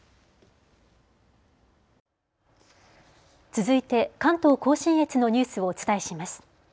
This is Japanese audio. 続いて関東甲信越のニュースをお伝えします。